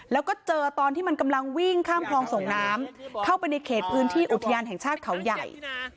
แล้วก็เจอตอนที่มันกำลังวิ่งข้ามคลองส่งน้ำเข้าไปในเขตพื้นที่อุทยานแห่งชาติเขาใหญ่